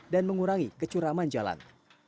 dan mengurangi kecuraman jalan